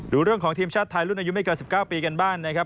ดูเรื่องของทีมชาติไทยรุ่นอายุไม่เกิน๑๙ปีกันบ้านนะครับ